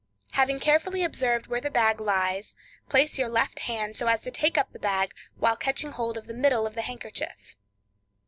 Having carefully observed where the bag lies, place your left hand so as to take up the bag while catching hold of the middle of the handkerchief.